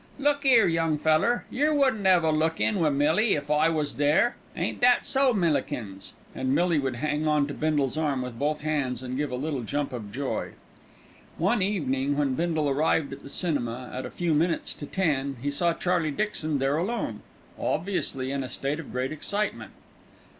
"Look 'ere, young feller, yer wouldn't 'ave a look in wi' Millie if I was there. Ain't that so, Millikins?" And Millie would hang on to Bindle's arm with both hands and give a little jump of joy. One evening when Bindle arrived at the cinema at a few minutes to ten, he saw Charlie Dixon there alone, obviously in a state of great excitement.